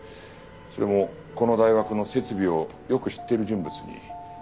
それもこの大学の設備をよく知ってる人物に。